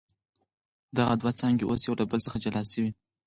دغه دوه څانګي اوس يو له بل څخه جلا سوې.